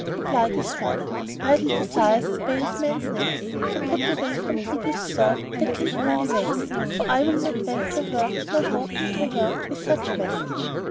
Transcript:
Replied his mother, "Idle desires abase men's necks; so put away from thee this thought that can only vex; for I will not wend to her nor go in to her with such message.'